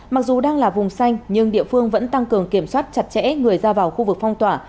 mặc dù đang là vùng xanh nhưng địa phương vẫn tăng cường kiểm soát chặt chẽ người ra vào khu vực phong tỏa